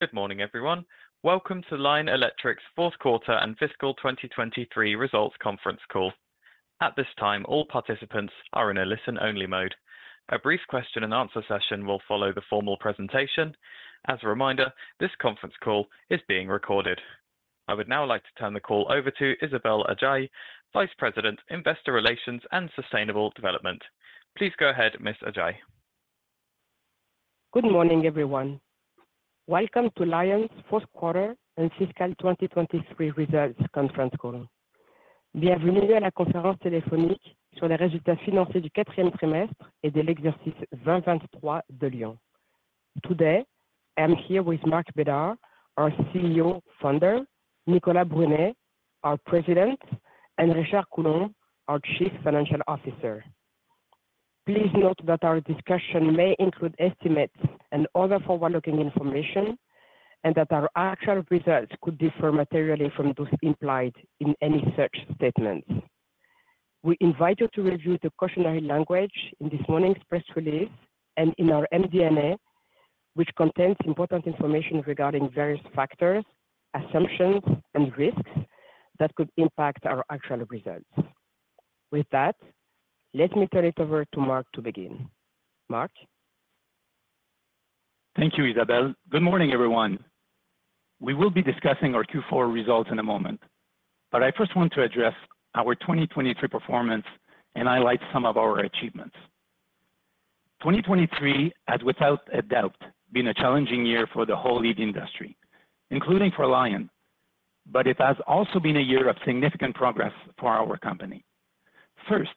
Good morning, everyone. Welcome to Lion Electric's Fourth Quarter and Fiscal 2023 Results Conference Call. At this time, all participants are in a listen-only mode. A brief question and answer session will follow the formal presentation. As a reminder, this conference call is being recorded. I would now like to turn the call over to Isabelle Adjahi, Vice President, Investor Relations and Sustainable Development. Please go ahead, Miss Adjahi. Good morning, everyone. Welcome to Lion's Fourth Quarter and Fiscal 2023 Results Conference Call. Today, I'm here with Marc Bédard, our CEO founder, Nicolas Brunet, our President, and Richard Coulombe, our Chief Financial Officer. Please note that our discussion may include estimates and other forward-looking information, and that our actual results could differ materially from those implied in any such statements. We invite you to review the cautionary language in this morning's press release and in our MD&A, which contains important information regarding various factors, assumptions, and risks that could impact our actual results. With that, let me turn it over to Marc to begin. Marc? Thank you, Isabelle. Good morning, everyone. We will be discussing our Q4 results in a moment, but I first want to address our 2023 performance and highlight some of our achievements. 2023 has, without a doubt, been a challenging year for the whole EV industry, including for Lion, but it has also been a year of significant progress for our company. First,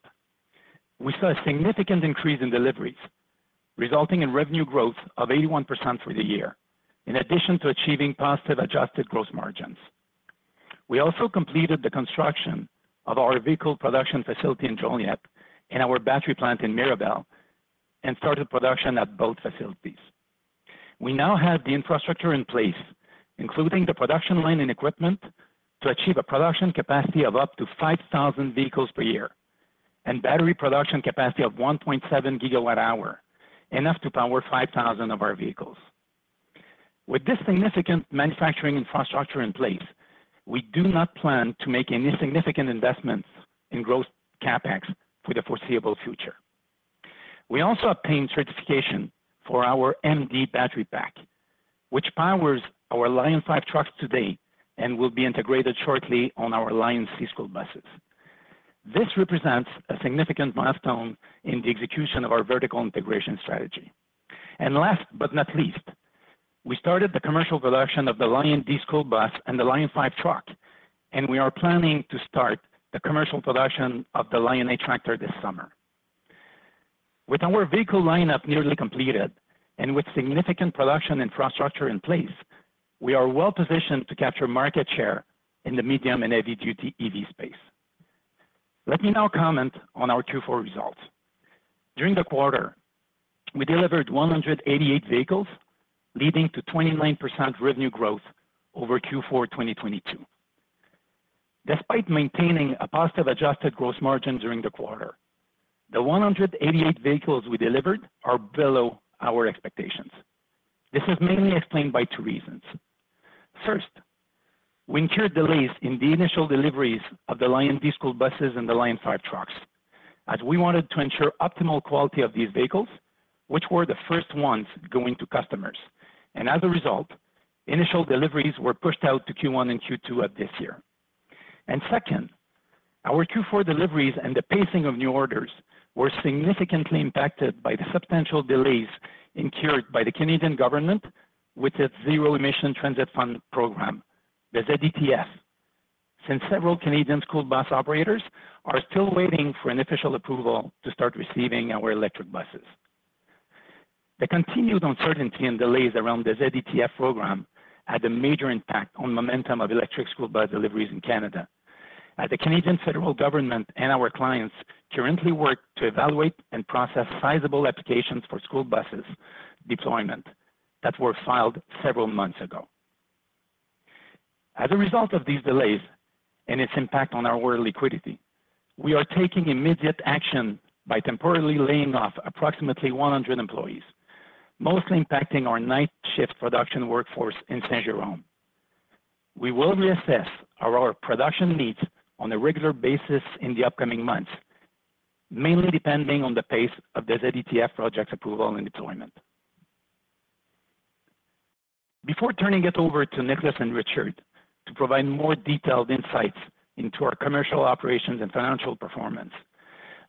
we saw a significant increase in deliveries, resulting in revenue growth of 81% for the year, in addition to achieving positive Adjusted Gross Margins. We also completed the construction of our vehicle production facility in Joliet and our battery plant in Mirabel, and started production at both facilities. We now have the infrastructure in place, including the production line and equipment, to achieve a production capacity of up to 5,000 vehicles per year, and battery production capacity of 1.7 GWh, enough to power 5,000 of our vehicles. With this significant manufacturing infrastructure in place, we do not plan to make any significant investments in growth CapEx for the foreseeable future. We also obtained certification for our MD battery pack, which powers our Lion5 trucks today and will be integrated shortly on our Lion school buses. This represents a significant milestone in the execution of our vertical integration strategy. And last but not least, we started the commercial production of the LionD school bus and the Lion5 truck, and we are planning to start the commercial production of the Lion8 tractor this summer. With our vehicle lineup nearly completed and with significant production infrastructure in place, we are well positioned to capture market share in the medium- and heavy-duty EV space. Let me now comment on our Q4 results. During the quarter, we delivered 188 vehicles, leading to 29% revenue growth over Q4 2022. Despite maintaining a positive adjusted gross margin during the quarter, the 188 vehicles we delivered are below our expectations. This is mainly explained by two reasons. First, we incurred delays in the initial deliveries of the LionD school buses and the Lion5 trucks, as we wanted to ensure optimal quality of these vehicles, which were the first ones going to customers. As a result, initial deliveries were pushed out to Q1 and Q2 of this year. And second, our Q4 deliveries and the pacing of new orders were significantly impacted by the substantial delays incurred by the Canadian government with its Zero Emission Transit Fund program, the ZETF, since several Canadian school bus operators are still waiting for an official approval to start receiving our electric buses. The continued uncertainty and delays around the ZETF program had a major impact on momentum of electric school bus deliveries in Canada, as the Canadian federal government and our clients currently work to evaluate and process sizable applications for school buses deployment that were filed several months ago. As a result of these delays and its impact on our liquidity, we are taking immediate action by temporarily laying off approximately 100 employees, mostly impacting our night shift production workforce in Saint-Jérôme. We will reassess our production needs on a regular basis in the upcoming months, mainly depending on the pace of the ZETF project approval and deployment. Before turning it over to Nicolas and Richard to provide more detailed insights into our commercial operations and financial performance,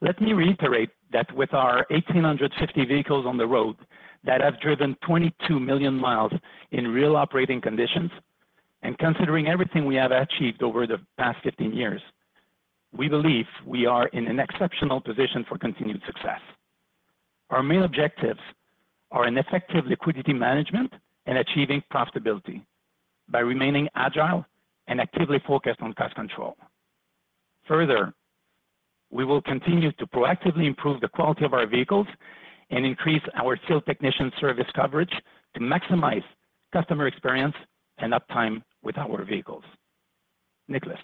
let me reiterate that with our 1,850 vehicles on the road that have driven 22 million miles in real operating conditions, and considering everything we have achieved over the past 15 years, we believe we are in an exceptional position for continued success. Our main objectives are an effective liquidity management and achieving profitability by remaining agile and actively focused on cost control. Further, we will continue to proactively improve the quality of our vehicles and increase our field technician service coverage to maximize customer experience and uptime with our vehicles. Nicolas?...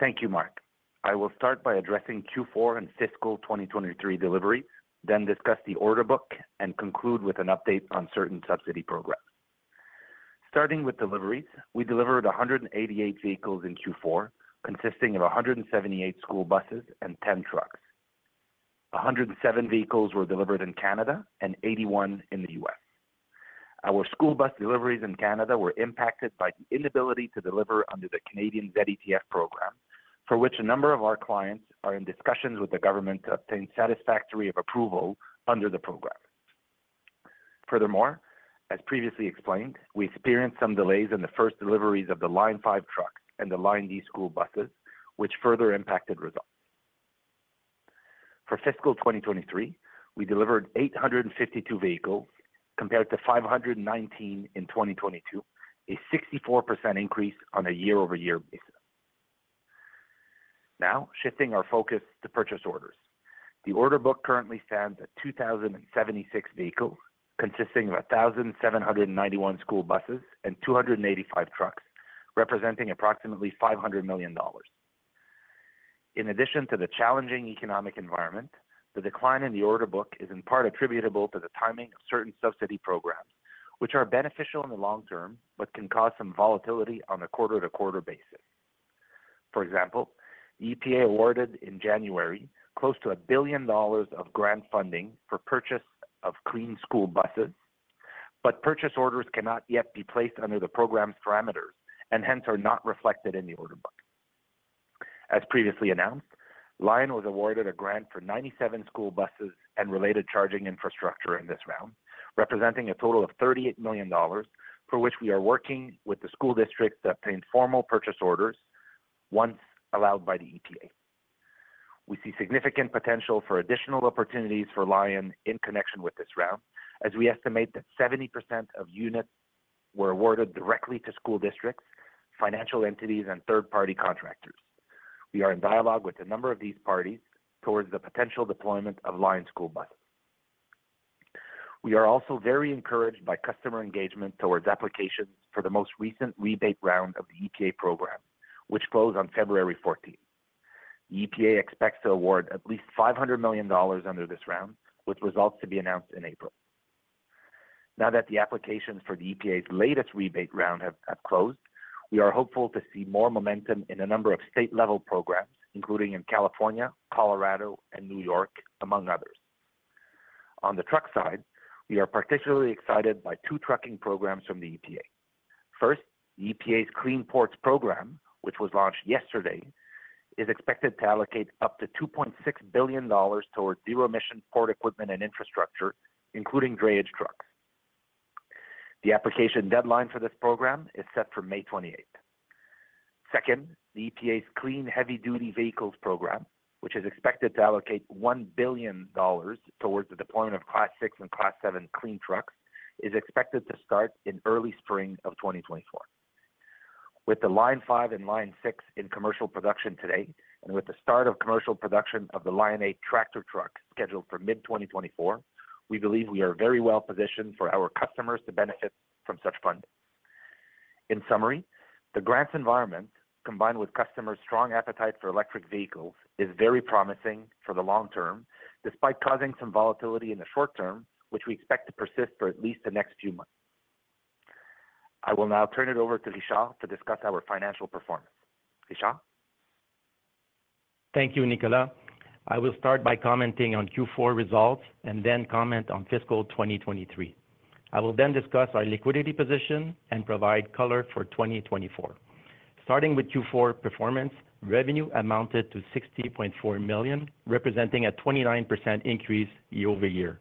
Thank you, Marc. I will start by addressing Q4 and Fiscal 2023 delivery, then discuss the order book, and conclude with an update on certain subsidy programs. Starting with deliveries, we delivered 188 vehicles in Q4, consisting of 178 school buses and 10 trucks. 107 vehicles were delivered in Canada and 81 in the U.S. Our school bus deliveries in Canada were impacted by the inability to deliver under the Canadian ZETF program, for which a number of our clients are in discussions with the government to obtain satisfaction of approval under the program. Furthermore, as previously explained, we experienced some delays in the first deliveries of the Lion5 trucks and the LionD school buses, which further impacted results. For fiscal 2023, we delivered 852 vehicles, compared to 519 in 2022, a 64% increase on a year-over-year basis. Now, shifting our focus to purchase orders. The order book currently stands at 2,076 vehicles, consisting of 1,791 school buses and 285 trucks, representing approximately $500 million. In addition to the challenging economic environment, the decline in the order book is in part attributable to the timing of certain subsidy programs, which are beneficial in the long term, but can cause some volatility on a quarter-to-quarter basis. For example, EPA awarded in January, close to $1 billion of grant funding for purchase of clean school buses, but purchase orders cannot yet be placed under the program's parameters, and hence are not reflected in the order book. As previously announced, Lion was awarded a grant for 97 school buses and related charging infrastructure in this round, representing a total of $38 million, for which we are working with the school district to obtain formal purchase orders once allowed by the EPA. We see significant potential for additional opportunities for Lion in connection with this round, as we estimate that 70% of units were awarded directly to school districts, financial entities, and third-party contractors. We are in dialogue with a number of these parties towards the potential deployment of Lion school buses. We are also very encouraged by customer engagement towards applications for the most recent rebate round of the EPA program, which closed on February 14. EPA expects to award at least $500 million under this round, with results to be announced in April. Now that the applications for the EPA's latest rebate round have closed, we are hopeful to see more momentum in a number of state-level programs, including in California, Colorado, and New York, among others. On the truck side, we are particularly excited by two trucking programs from the EPA. First, the EPA's Clean Ports Program, which was launched yesterday, is expected to allocate up to $2.6 billion towards zero-emission port equipment and infrastructure, including drayage trucks. The application deadline for this program is set for May 28th. Second, the EPA's Clean Heavy-Duty Vehicles Program, which is expected to allocate $1 billion towards the deployment of Class 6 and Class 7 clean trucks, is expected to start in early spring of 2024. With the Lion5 and Lion6 in commercial production today, and with the start of commercial production of the Lion8 tractor truck scheduled for mid-2024, we believe we are very well positioned for our customers to benefit from such funding. In summary, the grants environment, combined with customers' strong appetite for electric vehicles, is very promising for the long term, despite causing some volatility in the short term, which we expect to persist for at least the next few months. I will now turn it over to Richard to discuss our financial performance. Richard? Thank you, Nicolas. I will start by commenting on Q4 results and then comment on fiscal 2023. I will then discuss our liquidity position and provide color for 2024. Starting with Q4 performance, revenue amounted to $60.4 million, representing a 29% increase year-over-year.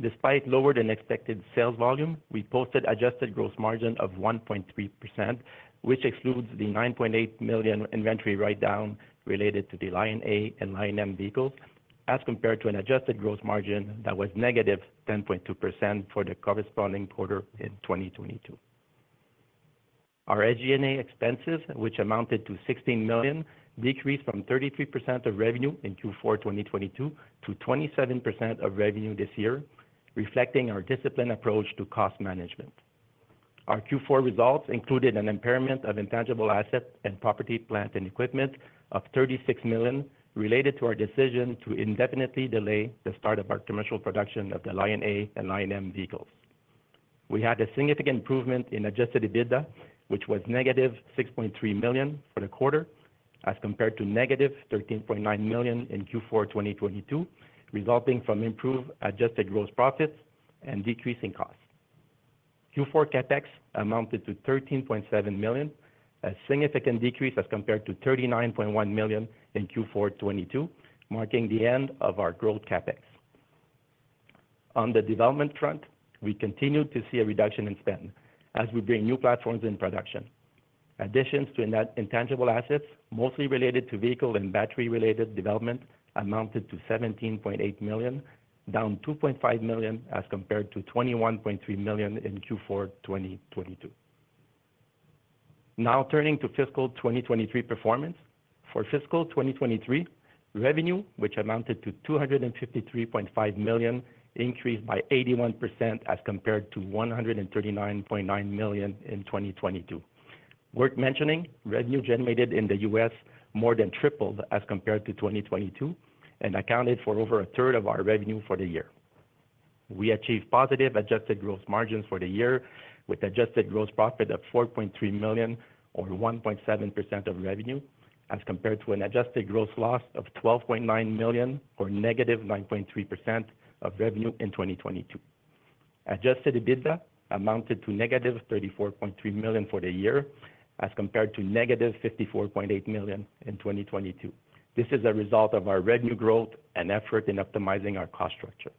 Despite lower than expected sales volume, we posted adjusted gross margin of 1.3%, which excludes the $9.8 million inventory write-down related to the LionA and LionM vehicles, as compared to an adjusted gross margin that was negative 10.2% for the corresponding quarter in 2022. Our SG&A expenses, which amounted to $16 million, decreased from 33% of revenue in Q4 2022 to 27% of revenue this year, reflecting our disciplined approach to cost management. Our Q4 results included an impairment of intangible assets and property, plant, and equipment of $36 million, related to our decision to indefinitely delay the start of our commercial production of the LionA and LionM vehicles. We had a significant improvement in adjusted EBITDA, which was -$6.3 million for the quarter, as compared to -$13.9 million in Q4 2022, resulting from improved adjusted gross profits and decreasing costs. Q4 CapEx amounted to $13.7 million, a significant decrease as compared to $39.1 million in Q4 2022, marking the end of our growth CapEx. On the development front, we continued to see a reduction in spend as we bring new platforms in production. Additions to intangible assets, mostly related to vehicle and battery-related development, amounted to $17.8 million, down $2.5 million, as compared to $21.3 million in Q4 2022. Now turning to fiscal 2023 performance. For fiscal 2023, revenue, which amounted to $253.5 million, increased by 81% as compared to $139.9 million in 2022. Worth mentioning, revenue generated in the US more than tripled as compared to 2022 and accounted for over a third of our revenue for the year. We achieved positive adjusted gross margins for the year, with adjusted gross profit of $4.3 million, or 1.7% of revenue, as compared to an adjusted gross loss of $12.9 million, or -9.3% of revenue in 2022. Adjusted EBITDA amounted to -$34.3 million for the year, as compared to -$54.8 million in 2022. This is a result of our revenue growth and effort in optimizing our cost structure.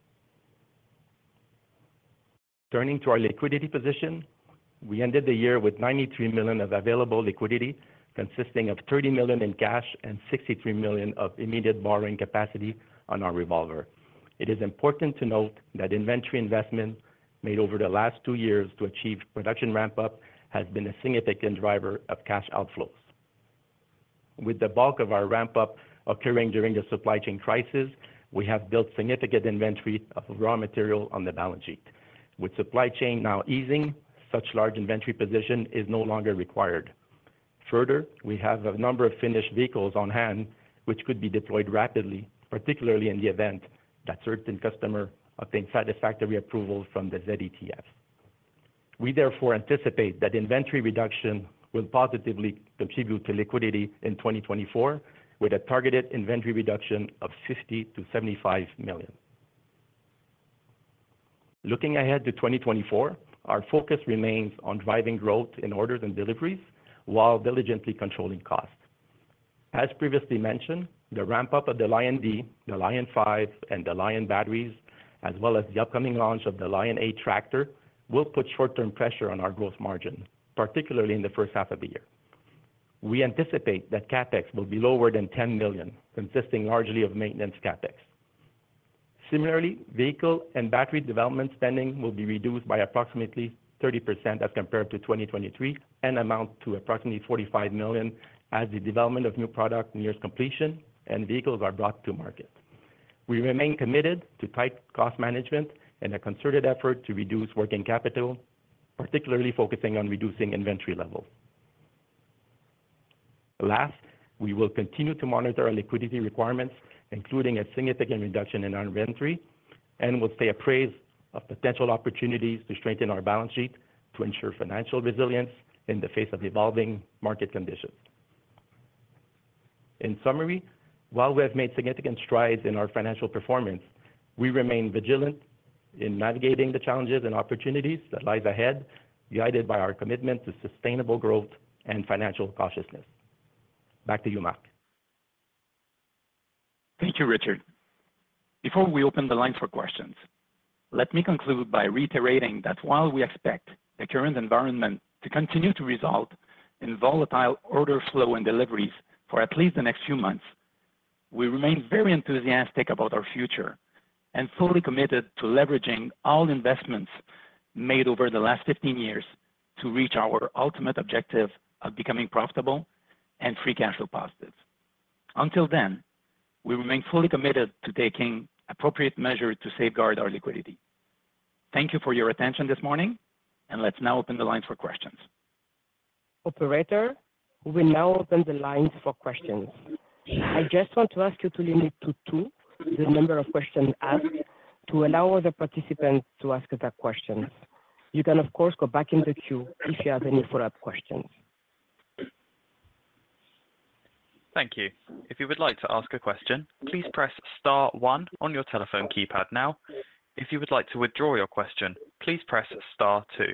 Turning to our liquidity position, we ended the year with $93 million of available liquidity, consisting of $30 million in cash and $63 million of immediate borrowing capacity on our revolver. It is important to note that inventory investment made over the last two years to achieve production ramp-up, has been a significant driver of cash outflows. With the bulk of our ramp-up occurring during the supply chain crisis, we have built significant inventory of raw material on the balance sheet. With supply chain now easing, such large inventory position is no longer required. Further, we have a number of finished vehicles on hand, which could be deployed rapidly, particularly in the event that certain customers obtain satisfactory approval from the ZETF. We therefore anticipate that inventory reduction will positively contribute to liquidity in 2024, with a targeted inventory reduction of $50 million-$75 million. Looking ahead to 2024, our focus remains on driving growth in orders and deliveries while diligently controlling costs. As previously mentioned, the ramp-up of the LionD, the Lion5, and the Lion batteries, as well as the upcoming launch of the Lion8 tractor, will put short-term pressure on our gross margin, particularly in the first half of the year. We anticipate that CapEx will be lower than $10 million, consisting largely of maintenance CapEx. Similarly, vehicle and battery development spending will be reduced by approximately 30% as compared to 2023, and amount to approximately $45 milLion 8s the development of new product nears completion and vehicles are brought to market. We remain committed to tight cost management and a concerted effort to reduce working capital, particularly focusing on reducing inventory levels. Last, we will continue to monitor our liquidity requirements, including a significant reduction in our inventory, and will stay apprised of potential opportunities to strengthen our balance sheet, to ensure financial resilience in the face of evolving market conditions. In summary, while we have made significant strides in our financial performance, we remain vigilant in navigating the challenges and opportunities that lies ahead, united by our commitment to sustainable growth and financial cautiousness. Back to you, Marc. Thank you, Richard. Before we open the line for questions, let me conclude by reiterating that while we expect the current environment to continue to result in volatile order flow and deliveries for at least the next few months, we remain very enthusiastic about our future and fully committed to leveraging all investments made over the last 15 years to reach our ultimate objective of becoming profitable and free cash flow positive. Until then, we remain fully committed to taking appropriate measures to safeguard our liquidity. Thank you for your attention this morning, and let's now open the line for questions. Operator, we now open the lines for questions. I just want to ask you to limit to two the number of questions asked, to allow other participants to ask other questions. You can, of course, go back in the queue if you have any follow-up questions. Thank you. If you would like to ask a question, please press star one on your telephone keypad now. If you would like to withdraw your question, please press star two.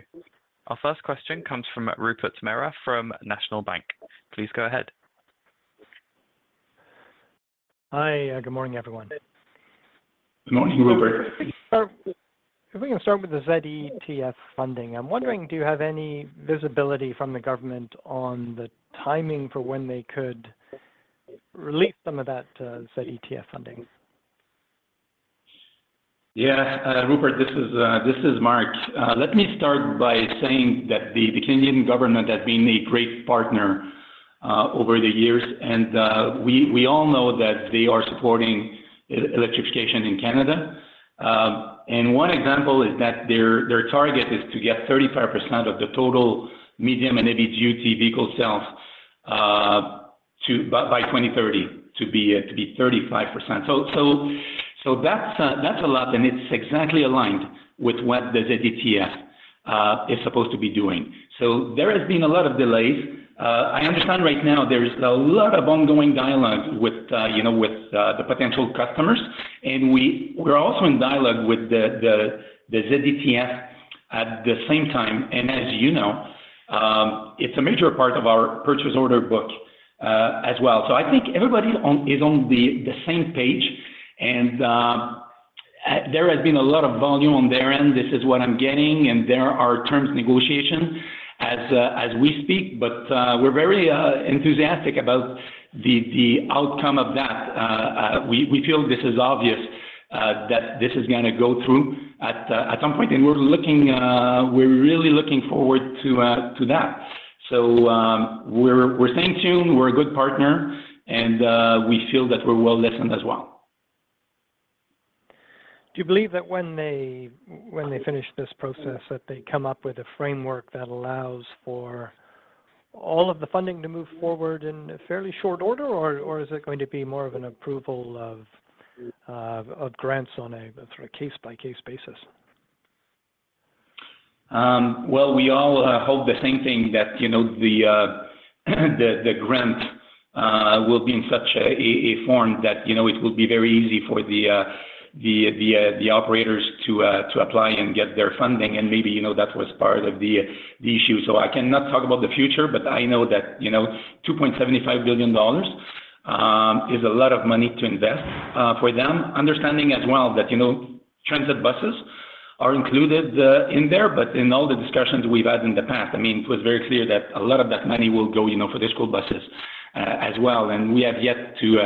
Our first question comes from Rupert Merer from National Bank. Please go ahead. Hi, good morning, everyone. Good morning, Rupert. If we can start with the ZETF funding. I'm wondering, do you have any visibility from the government on the timing for when they could release some of that, ZETF funding? Yeah. Rupert, this is Marc. Let me start by saying that the Canadian government has been a great partner over the years, and we all know that they are supporting electrification in Canada. And one example is that their target is to get 35% of the total medium and heavy-duty vehicle sales by 2030 to be 35%. So that's a lot, and it's exactly aligned with what the ZETF is supposed to be doing. So there has been a lot of delays. I understand right now there is a lot of ongoing dialogue with, you know, with the potential customers, and we're also in dialogue with the ZETF at the same time. As you know, it's a major part of our purchase order book, as well. I think everybody is on the same page and there has been a lot of volume on their end. This is what I'm getting, and there are terms negotiation as we speak, but we're very enthusiastic about the outcome of that. We feel this is obvious that this is gonna go through at some point, and we're looking, we're really looking forward to that. We're staying tuned. We're a good partner, and we feel that we're well listened as well. Do you believe that when they, when they finish this process, that they come up with a framework that allows for all of the funding to move forward in a fairly short order, or, or is it going to be more of an approval of, of grants on a, sort of, case-by-case basis? Well, we all hope the same thing that, you know, the grant will be in such a form that, you know, it will be very easy for the operators to apply and get their funding, and maybe, you know, that was part of the issue. So I cannot talk about the future, but I know that, you know, 2.75 billion dollars is a lot of money to invest for them. Understanding as well, that, you know, transit buses are included in there, but in all the discussions we've had in the past, I mean, it was very clear that a lot of that money will go, you know, for the school buses as well, and we have yet to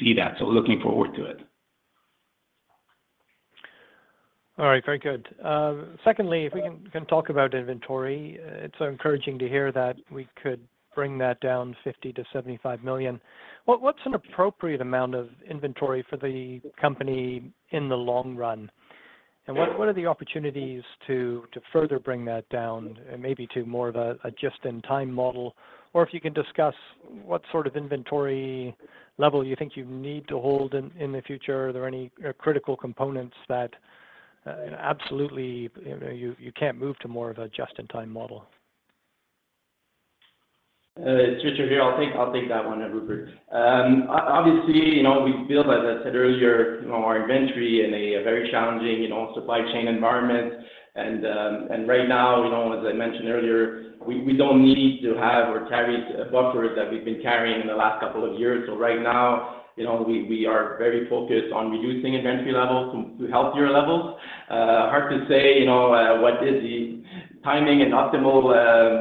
see that. So looking forward to it. All right. Very good. Secondly, if we can, we can talk about inventory. It's encouraging to hear that we could bring that down $50 million-$75 million. What's an appropriate amount of inventory for the company in the long run? And what are the opportunities to further bring that down, and maybe to more of a just-in-time model? Or if you can discuss what sort of inventory level you think you need to hold in the future. Are there any critical components that absolutely, you know, you can't move to more of a just-in-time model? It's Richard here. I'll take, I'll take that one, Rupert. Obviously, you know, we built, as I said earlier, you know, our inventory in a very challenging, you know, supply chain environment. And, and right now, you know, as I mentioned earlier, we, we don't need to have or carry buffers that we've been carrying in the last couple of years. So right now, you know, we, we are very focused on reducing inventory levels to, to healthier levels. Hard to say, you know, what is the timing and optimal,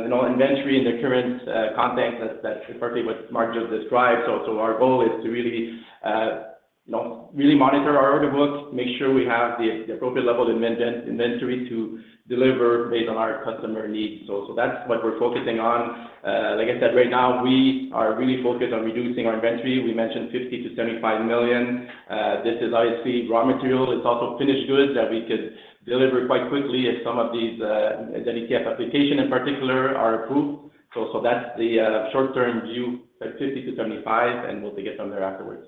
you know, inventory in the current, context that, that perfectly what Marc just described. So, so our goal is to really, you know, really monitor our order book, make sure we have the, the appropriate level of inventory to deliver based on our customer needs. So, so that's what we're focusing on. Like I said, right now, we are really focused on reducing our inventory. We mentioned $50-$75 million. This is obviously raw material. It's also finished goods that we could deliver quite quickly if some of these, ZETF application in particular are approved. So, so that's the, short-term view, that's $50-$75 million, and we'll get from there afterwards.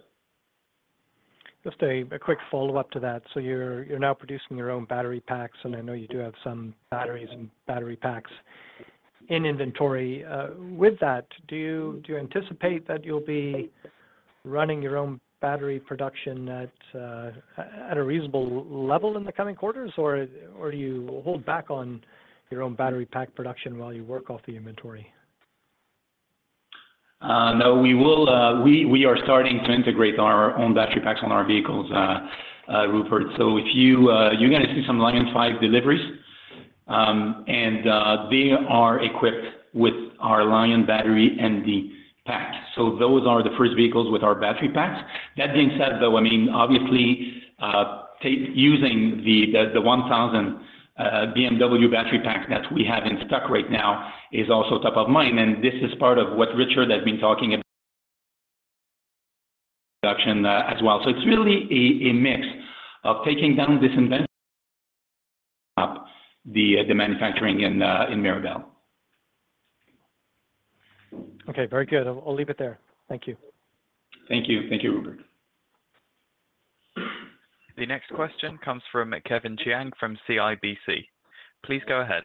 Just a quick follow-up to that. So you're now producing your own battery packs, and I know you do have some batteries and battery packs in inventory. With that, do you anticipate that you'll be running your own battery production at a reasonable level in the coming quarters, or do you hold back on your own battery pack production while you work off the inventory? No, we will. We are starting to integrate our own battery packs on our vehicles, Rupert. So if you're gonna see some Lion5 deliveries, and they are equipped with our Lion battery and the pack. So those are the first vehicles with our battery packs. That being said, though, I mean, obviously, taking the 1,000 BMW battery pack that we have in stock right now is also top of mind, and this is part of what Richard has been talking about production, as well. So it's really a mix of taking down this inventory, upping the manufacturing in Mirabel. Okay. Very good. I'll leave it there. Thank you. Thank you. Thank you, Rupert. The next question comes from Kevin Chiang from CIBC. Please go ahead.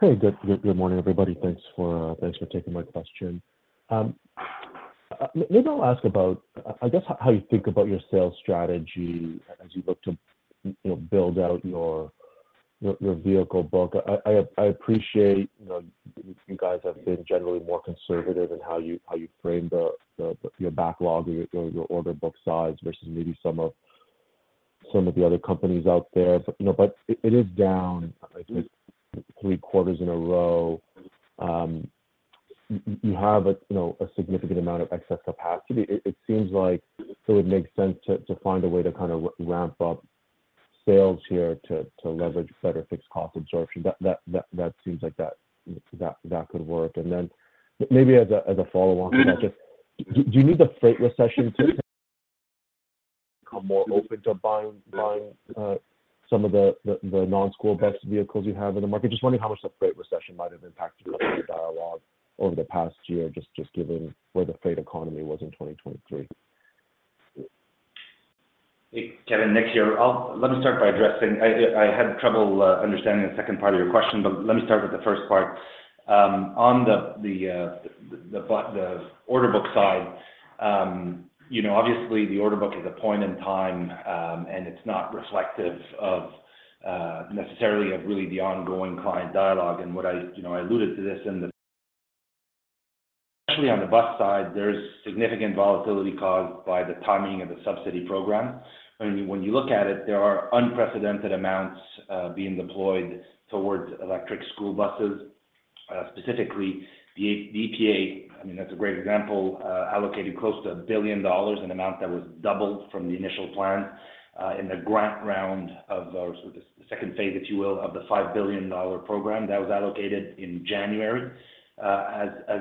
Good morning, everybody. Thanks for taking my question. Maybe I'll ask about, I guess how you think about your sales strategy as you look to, you know, build out your vehicle book. I appreciate, you know, you guys have been generally more conservative in how you frame your backlog or your order book size versus maybe some of the other companies out there. But, you know, it is down, I think, three quarters in a row. You have a, you know, a significant amount of excess capacity. It seems like so it makes sense to find a way to kind of ramp up sales here to leverage better fixed cost absorption. That seems like that could work. And then maybe as a follow-on to that, do you need the freight recession to become more open to buying some of the non-school bus vehicles you have in the market? Just wondering how much the freight recession might have impacted the dialogue over the past year, just given where the freight economy was in 2023. Hey, Kevin, Nick here. Let me start by addressing. I had trouble understanding the second part of your question, but let me start with the first part. On the order book side, you know, obviously the order book is a point in time, and it's not reflective of necessarily of really the ongoing client dialogue. And what I, you know, I alluded to this in the... Especially on the bus side, there's significant volatility caused by the timing of the subsidy program. I mean, when you look at it, there are unprecedented amounts being deployed towards electric school buses.... specifically, the EPA, I mean, that's a great example, allocated close to $1 billion, an amount that was doubled from the initial plan, in the grant round of the, so the second phase, if you will, of the $5 billion program that was allocated in January. As, as,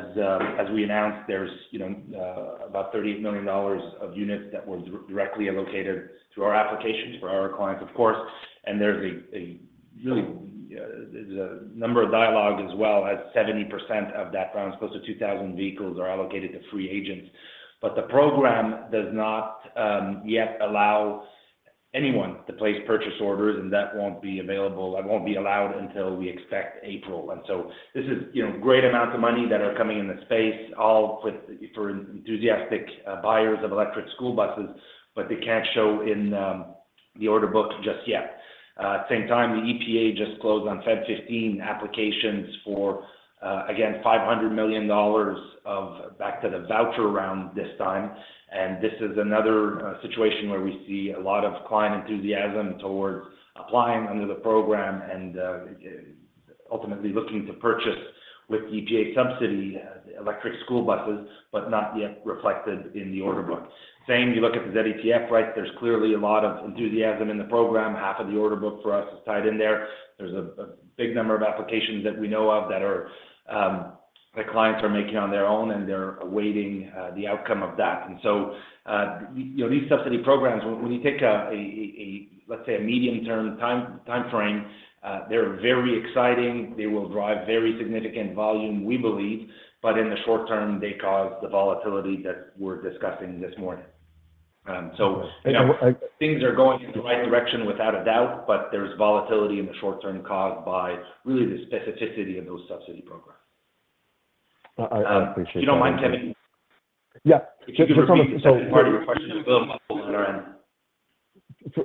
as we announced, there's, you know, about $30 million of units that were directly allocated to our applications for our clients, of course, and there's a, a really, there's a number of dialogue as well, as 70% of that round, close to 2,000 vehicles, are allocated to free agents. But the program does not yet allow anyone to place purchase orders, and that won't be available and won't be allowed until we expect April. So this is, you know, great amounts of money that are coming in the space, all with for enthusiastic buyers of electric school buses, but they can't show in the order books just yet. At the same time, the EPA just closed on for 15 applications for again $500 million of back to the voucher round this time. This is another situation where we see a lot of client enthusiasm towards applying under the program and ultimately looking to purchase with the EPA subsidy electric school buses, but not yet reflected in the order book. Same, you look at the ZETF, right? There's clearly a lot of enthusiasm in the program. Half of the order book for us is tied in there. There's a big number of applications that we know of that are that clients are making on their own, and they're awaiting the outcome of that. And so, you know, these subsidy programs, when you take a, let's say, a medium-term time frame, they're very exciting. They will drive very significant volume, we believe, but in the short term, they cause the volatility that we're discussing this morning. So. I, I- Things are going in the right direction without a doubt, but there's volatility in the short term caused by really the specificity of those subsidy programs. I appreciate that. If you don't mind, Kevin? Yeah. Just from- Second part of your question as well on our end.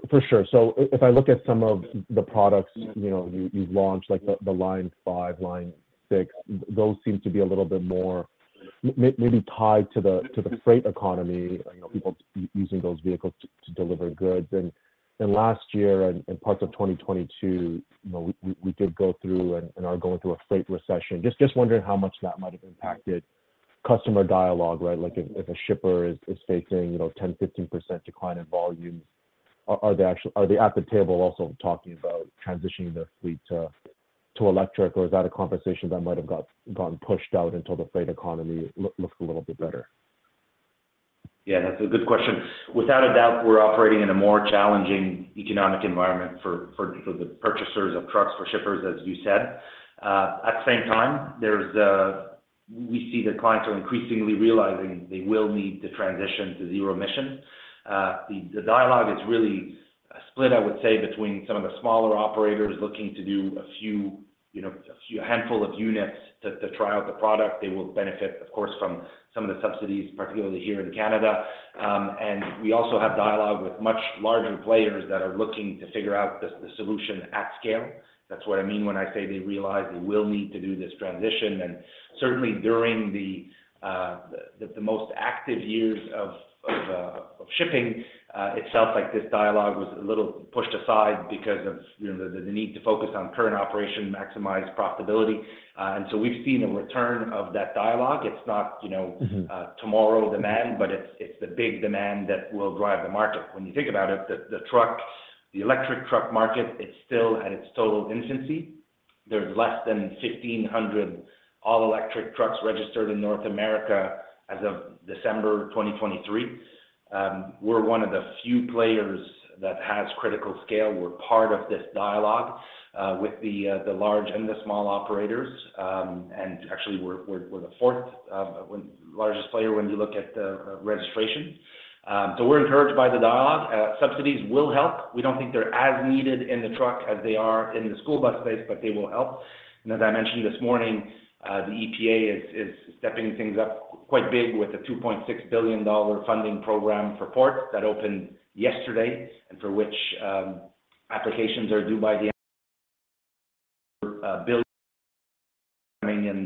For sure. So if I look at some of the products, you know, you've launched, like the Lion5, Lion6, those seem to be a little bit more maybe tied to the freight economy, you know, people using those vehicles to deliver goods. And last year and parts of 2022, you know, we did go through and are going through a freight recession. Just wondering how much that might have impacted customer dialogue, right? Like, if a shipper is facing, you know, 10, 15% decline in volume, are they actually at the table also talking about transitioning their fleet to electric, or is that a conversation that might have gotten pushed out until the freight economy looks a little bit better? Yeah, that's a good question. Without a doubt, we're operating in a more challenging economic environment for the purchasers of trucks, for shippers, as you said. At the same time, we see that clients are increasingly realizing they will need to transition to zero-emission. The dialogue is really split, I would say, between some of the smaller operators looking to do a few, you know, a few handful of units to try out the product. They will benefit, of course, from some of the subsidies, particularly here in Canada. And we also have dialogue with much larger players that are looking to figure out the solution at scale. That's what I mean when I say they realize they will need to do this transition. Certainly during the most active years of shipping, it sounds like this dialogue was a little pushed aside because of, you know, the need to focus on current operation, maximize profitability. And so we've seen a return of that dialogue. It's not, you know... Mm-hmm... tomorrow demand, but it's the big demand that will drive the market. When you think about it, the electric truck market is still at its total infancy. There's less than 1,500 all-electric trucks registered in North America as of December 2023. We're one of the few players that has critical scale. We're part of this dialogue with the large and the small operators. And actually, we're the fourth largest player when you look at the registration. So we're encouraged by the dialogue. Subsidies will help. We don't think they're as needed in the truck as they are in the school bus space, but they will help. As I mentioned this morning, the EPA is stepping things up quite big with a $2.6 billion funding program for ports that opened yesterday and for which applications are due by the end of... $1 billion coming in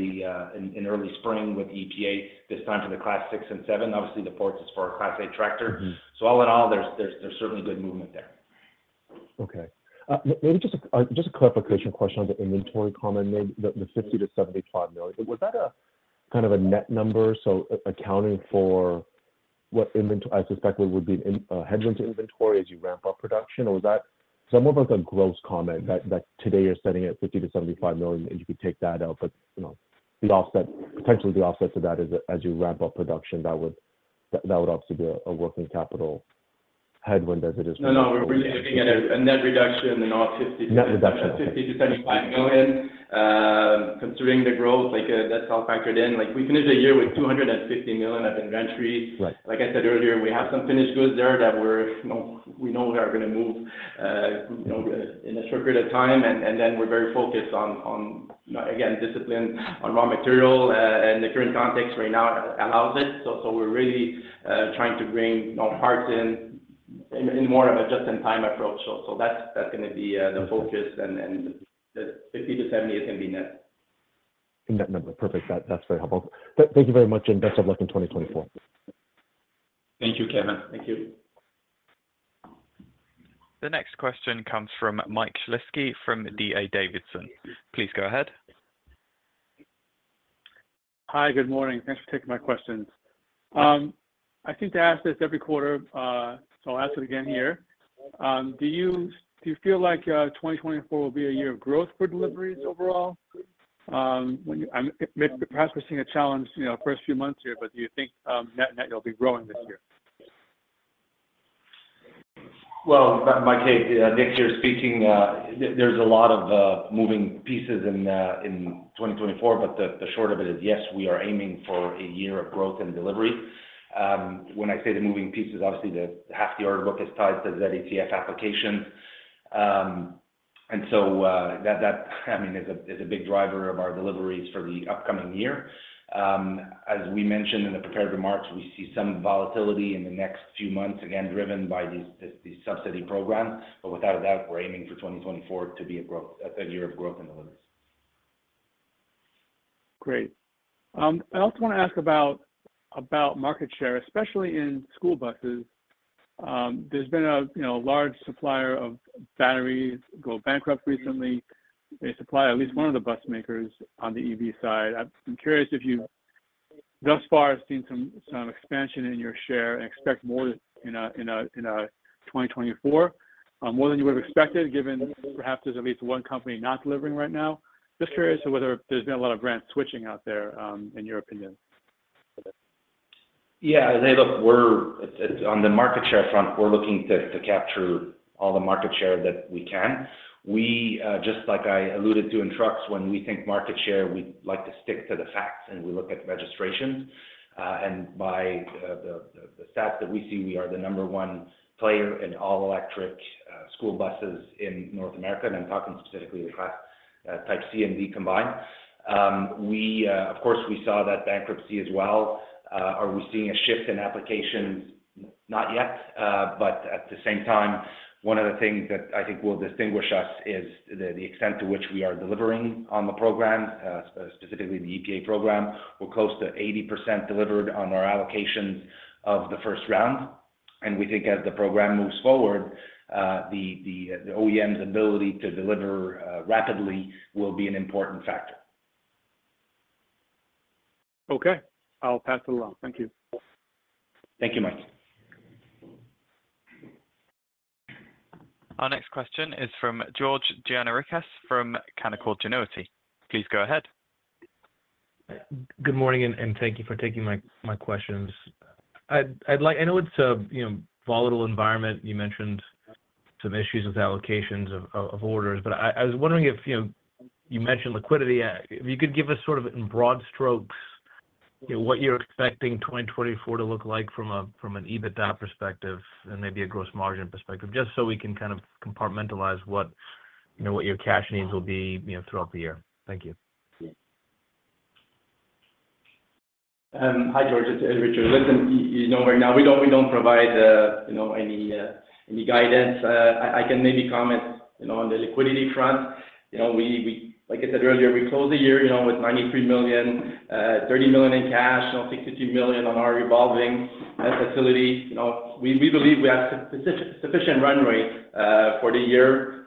the early spring with EPA, this time for the Class 6 and 7. Obviously, the ports is for a Class 8 tractor. Mm-hmm. So all in all, there's certainly good movement there. Okay. Maybe just a just a clarification question on the inventory comment, the $50-$75 million. Was that a kind of a net number, so accounting for what inventory, I suspect it would be a headwind to inventory as you ramp up production, or was that somewhat of a gross comment that today you're sitting at $50-$75 million, and you could take that out, but, you know, the offset, potentially the offset to that is as you ramp up production, that would obviously be a working capital headwind as it is- No, no, we're really looking at a net reduction in our 50- Net reduction. $50 million-$75 million. Considering the growth, like, that's all factored in. Like, we finished the year with $250 million in inventory. Right. Like I said earlier, we have some finished goods there that we're, you know, we know are gonna move, you know, in a short period of time. And then we're very focused on, again, discipline on raw material, and the current context right now allows it. So we're really trying to bring more parts in more of a just-in-time approach. So that's gonna be the focus, and then the $50-$70 is gonna be net. Net number. Perfect. That, that's very helpful. Thank you very much, and best of luck in 2024. Thank you, Kevin. Thank you.... The next question comes from Michael Shlisky from D.A. Davidson. Please go ahead. Hi, good morning. Thanks for taking my questions. I think to ask this every quarter, so I'll ask it again here. Do you feel like 2024 will be a year of growth for deliveries overall? When you—perhaps we're seeing a challenge, you know, first few months here, but do you think, net, you'll be growing this year? Well, Mike, Nick here speaking. There's a lot of moving pieces in 2024, but the short of it is, yes, we are aiming for a year of growth and delivery. When I say the moving pieces, obviously, half the order book is tied to the ZETF application. And so, that, I mean, is a big driver of our deliveries for the upcoming year. As we mentioned in the prepared remarks, we see some volatility in the next few months, again, driven by these subsidy programs, but without a doubt, we're aiming for 2024 to be a year of growth in deliveries. Great. I also want to ask about market share, especially in school buses. There's been a you know, large supplier of batteries go bankrupt recently. They supply at least one of the bus makers on the EV side. I'm curious if you've thus far seen some expansion in your share and expect more in 2024, more than you would have expected, given perhaps there's at least one company not delivering right now? Just curious to whether there's been a lot of brand switching out there, in your opinion. Yeah. Hey, look, we're on the market share front, we're looking to capture all the market share that we can. We just like I alluded to in trucks, when we think market share, we like to stick to the facts, and we look at registrations. And by the stats that we see, we are the number one player in all-electric school buses in North America, and I'm talking specifically the Class Type C and D combined. We, of course, we saw that bankruptcy as well. Are we seeing a shift in applications? Not yet, but at the same time, one of the things that I think will distinguish us is the extent to which we are delivering on the program, specifically the EPA program. We're close to 80% delivered on our allocation of the first round, and we think as the program moves forward, the OEM's ability to deliver rapidly will be an important factor. Okay. I'll pass it along. Thank you. Thank you, Mike. Our next question is from George Gianarikas from Canaccord Genuity. Please go ahead. Good morning, and thank you for taking my questions. I'd like. I know it's a, you know, volatile environment. You mentioned some issues with allocations of orders, but I was wondering if, you know, you mentioned liquidity. If you could give us sort of in broad strokes, you know, what you're expecting 2024 to look like from a, from an EBITDA perspective and maybe a gross margin perspective, just so we can kind of compartmentalize what, you know, what your cash needs will be, you know, throughout the year. Thank you. Hi, George, it's Richard. Listen, you know, right now, we don't provide any guidance. I can maybe comment, you know, on the liquidity front. You know, like I said earlier, we closed the year, you know, with $93 million, $30 million in cash, you know, $62 million on our revolving facility. You know, we believe we have sufficient runway for the year.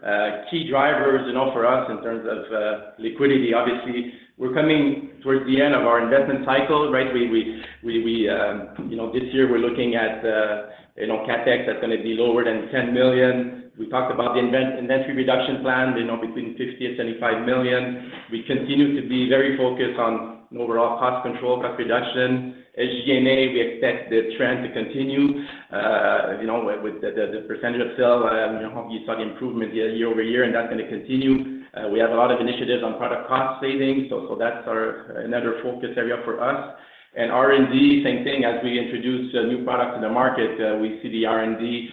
Key drivers, you know, for us in terms of liquidity, obviously, we're coming towards the end of our investment cycle, right? You know, this year we're looking at CapEx that's gonna be lower than $10 million. We talked about the inventory reduction plan, you know, between $50 milLion 8nd $75 million. We continue to be very focused on overall cost control, cost reduction. SG&A, we expect the trend to continue, you know, with the percentage of sale. You saw the improvement year-over-year, and that's gonna continue. We have a lot of initiatives on product cost savings, so that's our another focus area for us. And R&D, same thing. As we introduce a new product to the market, we see the R&D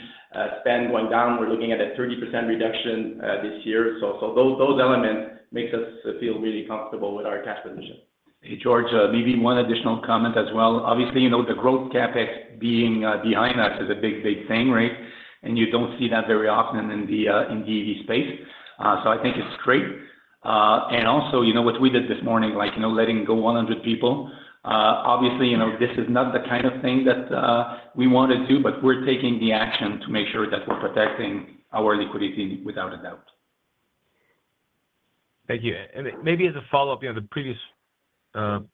spend going down. We're looking at a 30% reduction this year. So those elements makes us feel really comfortable with our cash position. Hey, George, maybe one additional comment as well. Obviously, you know, the growth CapEx being behind us is a big, big thing, right? And you don't see that very often in the EV space. So I think it's great. And also, you know, what we did this morning, like, you know, letting go 100 people, obviously, you know, this is not the kind of thing that we wanted to do, but we're taking the action to make sure that we're protecting our liquidity, without a doubt. Thank you. And maybe as a follow-up, you know, the previous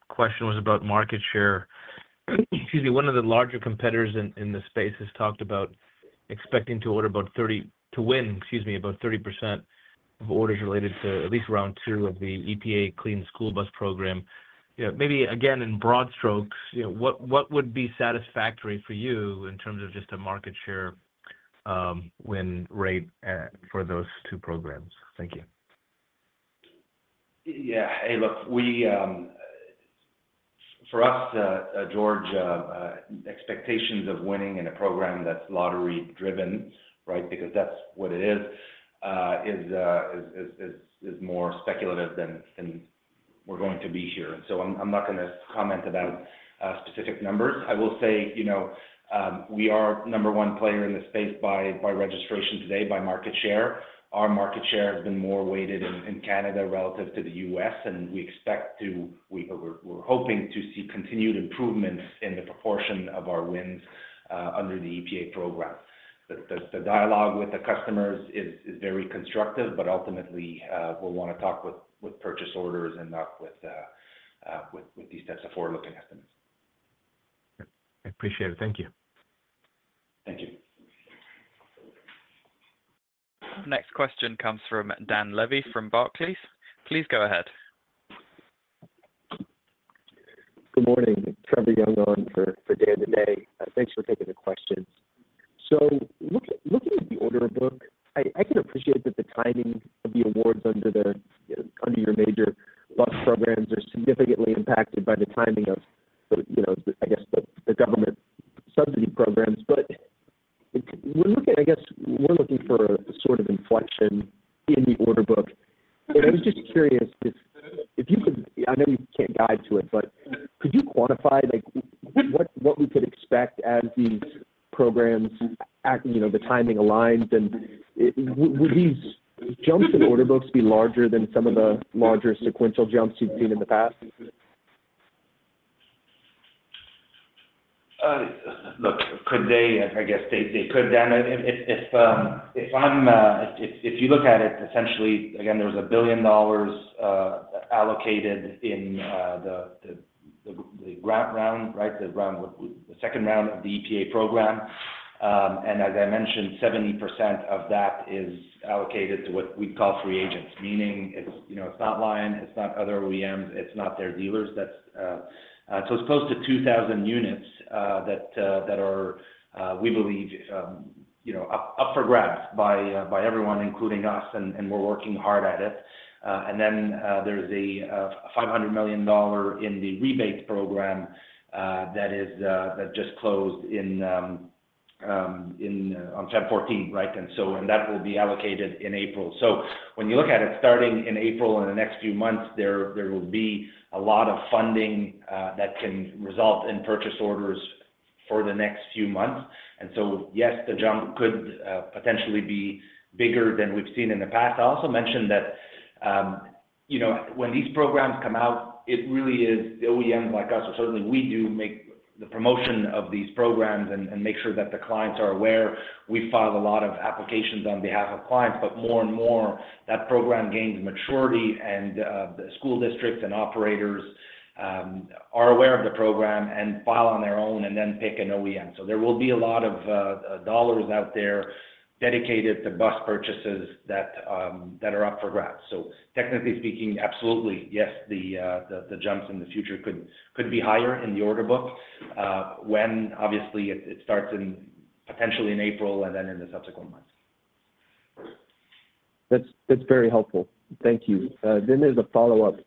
question was about market share. Excuse me. One of the larger competitors in this space has talked about expecting to order about thirty- to win, excuse me, about 30% of orders related to at least round two of the EPA Clean School Bus Program. You know, maybe again, in broad strokes, you know, what would be satisfactory for you in terms of just a market share win rate for those two programs? Thank you. Yeah. Hey, look, we... For us, George, expectations of winning in a program that's lottery driven, right, because that's what it is, is more speculative than... we're going to be here. So I'm not gonna comment about specific numbers. I will say, you know, we are number one player in the space by registration today, by market share. Our market share has been more weighted in Canada relative to the U.S., and we expect to-- we're hoping to see continued improvements in the proportion of our wins under the EPA program. The dialogue with the customers is very constructive, but ultimately, we'll wanna talk with purchase orders and not with these types of forward-looking estimates. I appreciate it. Thank you. Thank you. Next question comes from Dan Levy, from Barclays. Please go ahead. Good morning. Trevor Young on for Dan today. Thanks for taking the questions. So looking at the Order Book, I can appreciate that the timing of the awards under the under your major bus programs are significantly impacted by the timing of the you know, I guess, the government subsidy programs. But, we're looking I guess, we're looking for a sort of inflection in the Order Book. And I was just curious if you could... I know you can't guide to it, but could you quantify, like, what we could expect as these programs act, you know, the timing aligns, and would these jumps in order books be larger than some of the larger sequential jumps you've seen in the past? Look, could they? I guess, they could, Dan. If you look at it, essentially, again, there was $1 bilLion 8llocated in the grant round, right? The round with the second round of the EPA program. And as I mentioned, 70% of that is allocated to what we call free agents, meaning it's, you know, it's not Lion, it's not other OEMs, it's not their dealers. That's so it's close to 2,000 units that we believe, you know, up for grabs by everyone, including us, and we're working hard at it. And then, there's a $500 million in the rebates program that just closed in on February 14, right? So, that will be allocated in April. When you look at it, starting in April and the next few months, there will be a lot of funding that can result in purchase orders for the next few months. And so, yes, the jump could potentially be bigger than we've seen in the past. I also mentioned that, you know, when these programs come out, it really is OEMs like us, or certainly we do make the promotion of these programs and make sure that the clients are aware. We file a lot of applications on behalf of clients, but more and more, that program gains maturity, and the school districts and operators are aware of the program and file on their own and then pick an OEM. So there will be a lot of dollars out there dedicated to bus purchases that are up for grabs. So technically speaking, absolutely, yes, the jumps in the future could be higher in the order book, when obviously it starts in, potentially in April and then in the subsequent months. That's very helpful. Thank you. Then there's a follow-up.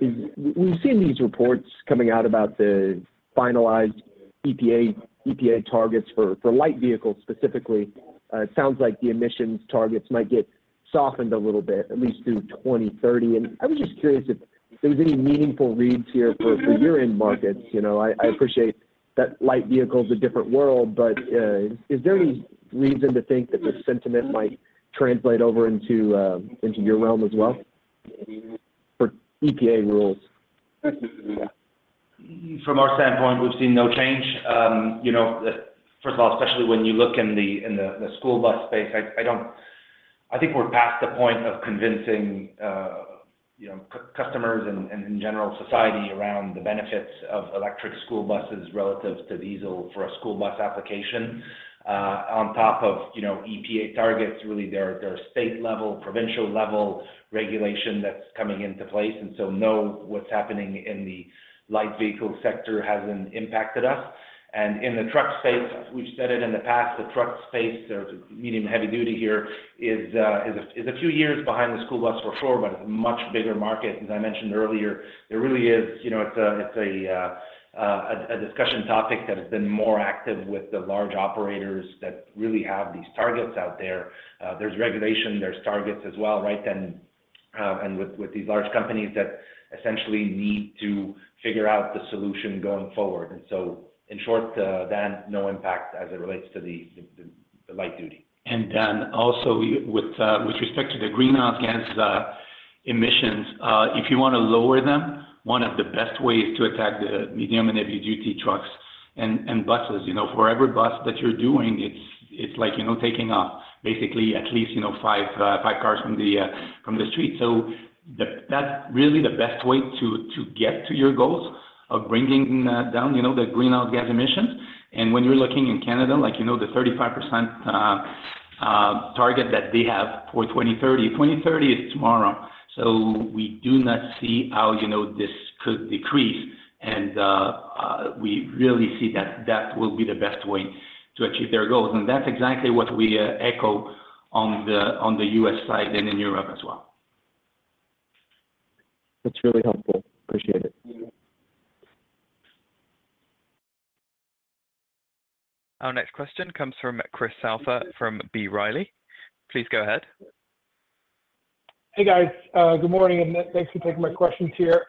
We've seen these reports coming out about the finalized EPA targets for light vehicles specifically. It sounds like the emissions targets might get softened a little bit, at least through 2030. I was just curious if there was any meaningful reads here for your end markets. You know, I appreciate that light vehicle is a different world, but is there any reason to think that the sentiment might translate over into your realm as well for EPA rules? From our standpoint, we've seen no change. You know, first of all, especially when you look in the school bus space, I think we're past the point of convincing, you know, customers and general society around the benefits of electric school buses relative to diesel for a school bus application. On top of, you know, EPA targets, really, there are state-level, provincial-level regulation that's coming into place, and so, you know, what's happening in the light vehicle sector hasn't impacted us. And in the truck space, we've said it in the past, the truck space, the medium-heavy-duty here is a few years behind the school bus for sure, but it's a much bigger market. As I mentioned earlier, there really is, you know, it's a discussion topic that has been more active with the large operators that really have these targets out there. There's regulation, there's targets as well, right? And with these large companies that essentially need to figure out the solution going forward. And so in short, Dan, no impact as it relates to the light duty. And Dan, also, with respect to the greenhouse gas emissions, if you wanna lower them, one of the best ways to attack the medium and heavy duty trucks and buses, you know, for every bus that you're doing, it's like, you know, taking off basically at least five cars from the street. So that's really the best way to get to your goals of bringing down the greenhouse gas emissions. And when you're looking in Canada, like, you know, the 35% target that they have for 2030. 2030 is tomorrow, so we do not see how this could decrease. We really see that that will be the best way to achieve their goals, and that's exactly what we echo on the U.S. side and in Europe as well. That's really helpful. Appreciate it.... Our next question comes from Chris Souther from B. Riley. Please go ahead. Hey, guys. Good morning, and thanks for taking my questions here.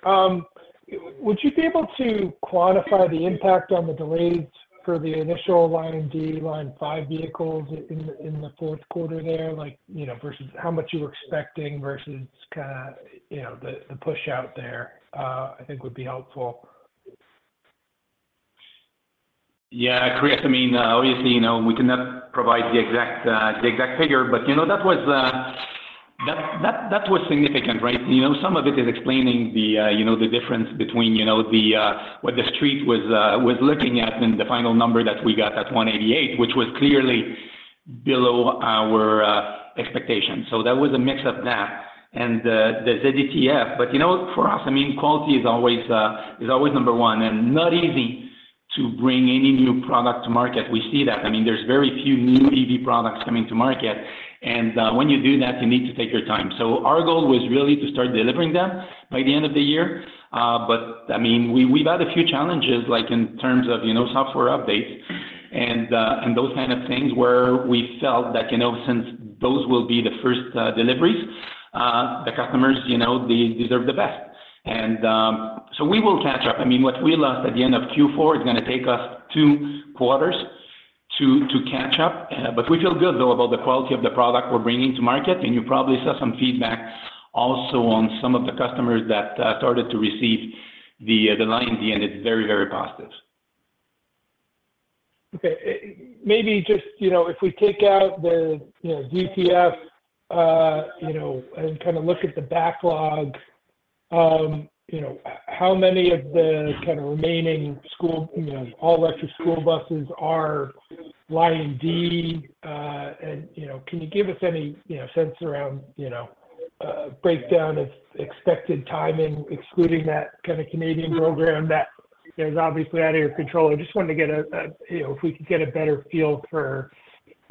Would you be able to quantify the impact on the delays for the initial LionD, Lion5 vehicles in the, in the fourth quarter there? Like, you know, versus how much you were expecting versus kind of, you know, the, the push out there, I think would be helpful. Yeah, Chris, I mean, obviously, you know, we cannot provide the exact figure, but, you know, that was significant, right? You know, some of it is explaining the difference between what the street was looking at and the final number that we got, that $188, which was clearly below our expectations. So that was a mix of that and the ZETF. But, you know, for us, I mean, quality is always number one, and not easy to bring any new product to market. We see that. I mean, there's very few new EV products coming to market, and when you do that, you need to take your time. So our goal was really to start delivering them by the end of the year. But, I mean, we've had a few challenges, like in terms of, you know, software updates and, and those kind of things where we felt that, you know, since those will be the first, deliveries, the customers, you know, they deserve the best. And, so we will catch up. I mean, what we lost at the end of Q4 is gonna take us two quarters to catch up. But we feel good, though, about the quality of the product we're bringing to market, and you probably saw some feedback also on some of the customers that, started to receive the, the LionD, and it's very, very positive. Okay. Maybe just, you know, if we take out the, you know, ZETF, you know, and kind of look at the backlog, you know, how many of the kind of remaining school, you know, all-electric school buses are LionD? And, you know, can you give us any, you know, sense around, you know, breakdown of expected timing, excluding that kind of Canadian program that is obviously out of your control? I just wanted to get a... You know, if we could get a better feel for,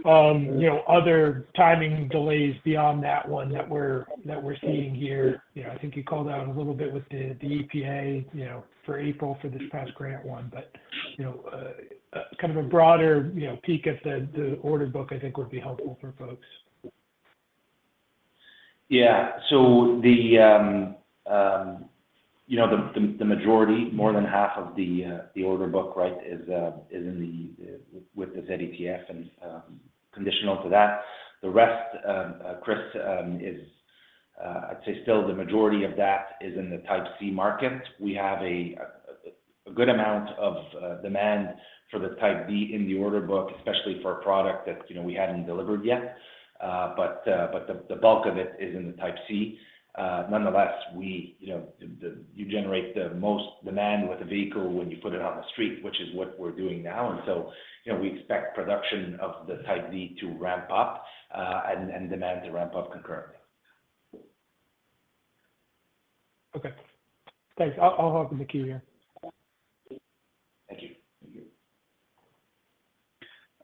you know, other timing delays beyond that one that we're, that we're seeing here. You know, I think you called out a little bit with the EPA, you know, for April for this past grant one, but, you know, kind of a broader, you know, peek at the order book, I think, would be helpful for folks. Yeah. So the majority, more than half of the order book, right, is in the with the ZETF and conditional to that. The rest, Chris, is, I'd say still the majority of that is in the Type C market. We have a good amount of demand for the Type D in the order book, especially for a product that, you know, we hadn't delivered yet. But the bulk of it is in the Type C. Nonetheless, we, you know, you generate the most demand with a vehicle when you put it on the street, which is what we're doing now, and so, you know, we expect production of the Type D to ramp up and demand to ramp up concurrently. Okay. Thanks. I'll hop in the queue here. Thank you.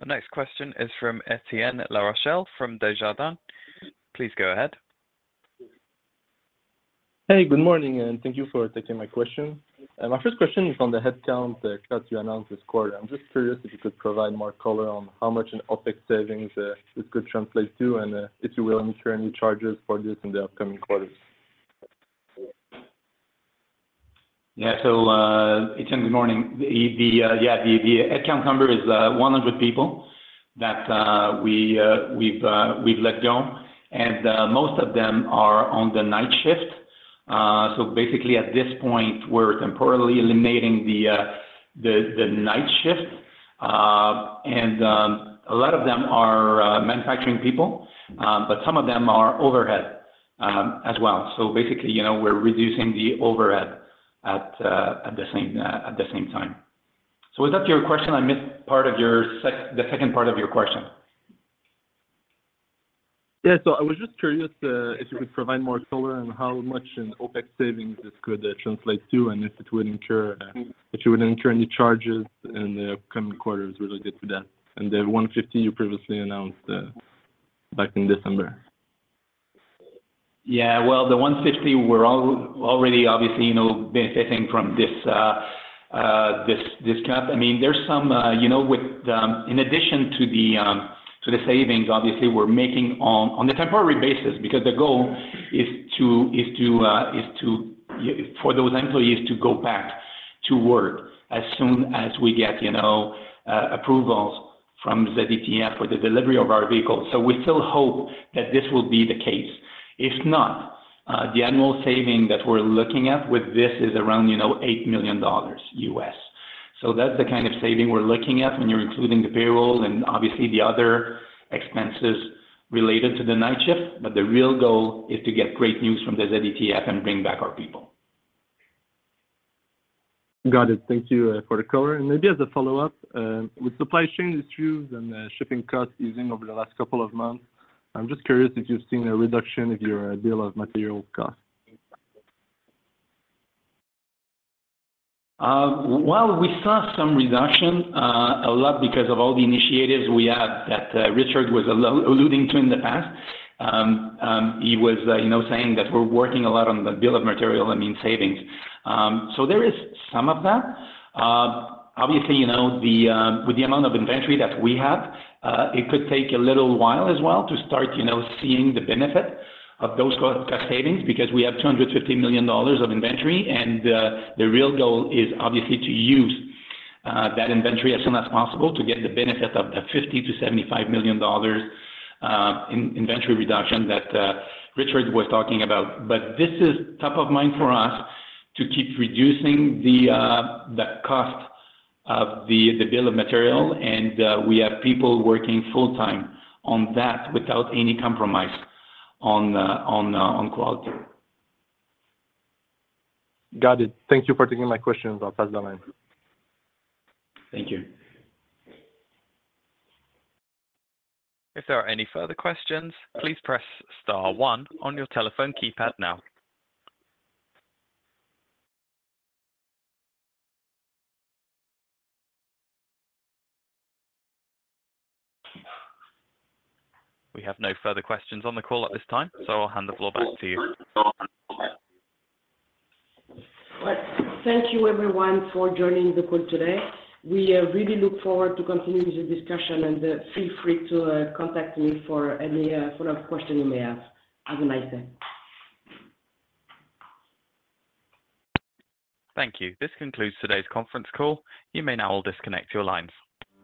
The next question is from Etienne Larochelle from Desjardins. Please go ahead. Hey, good morning, and thank you for taking my question. My first question is on the headcount that you announced this quarter. I'm just curious if you could provide more color on how much in OpEx savings this could translate to, and if you will incur any charges for this in the upcoming quarters? Yeah. So, Etienne, good morning. The headcount number is 100 people that we've let go, and most of them are on the night shift. So basically at this point, we're temporarily eliminating the night shift. And a lot of them are manufacturing people, but some of them are overhead as well. So basically, you know, we're reducing the overhead at the same time. So was that your question? I missed part of the second part of your question. Yeah. So I was just curious, if you could provide more color on how much in OpEx savings this could translate to, and if it would incur, if you would incur any charges in the upcoming quarters related to that, and the 150 you previously announced, back in December. Yeah, well, the 150 were already obviously, you know, benefiting from this, this cut. I mean, there's some, you know, with the, in addition to the savings, obviously, we're making on a temporary basis, because the goal is to, for those employees to go back to work as soon as we get, you know, approvals from ZETF for the delivery of our vehicles. So we still hope that this will be the case. If not, the annual saving that we're looking at with this is around, you know, $8 million. So that's the kind of saving we're looking at when you're including the payroll and obviously the other expenses related to the night shift, but the real goal is to get great news from the ZETF and bring back our people. Got it. Thank you for the color, and maybe as a follow-up, with supply chain issues and the shipping costs easing over the last couple of months, I'm just curious if you've seen a reduction in your bill of material costs? Well, we saw some reduction, a lot because of all the initiatives we had that, Richard was alluding to in the past. He was, you know, saying that we're working a lot on the bill of material, I mean, savings. So there is some of that. Obviously, you know, with the amount of inventory that we have, it could take a little while as well to start, you know, seeing the benefit of those cost savings, because we have $250 million of inventory, and the real goal is obviously to use that inventory as soon as possible to get the benefit of the $50 million-$75 million in inventory reduction that Richard was talking about. This is top of mind for us to keep reducing the cost of the bill of material, and we have people working full-time on that without any compromise on quality. Got it. Thank you for taking my questions. I'll pass the line. Thank you. If there are any further questions, please press star one on your telephone keypad now. We have no further questions on the call at this time, so I'll hand the floor back to you. Well, thank you everyone for joining the call today. We really look forward to continuing this discussion, and feel free to contact me for any follow-up question you may have. Have a nice day. Thank you. This concludes today's conference call. You may now disconnect your lines.